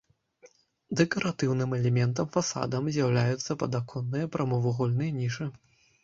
Дэкаратыўным элементам фасадаў з'яўляюцца падаконныя прамавугольныя нішы.